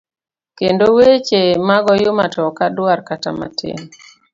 Kendo weche mag oyuma to ok adwar kata matin.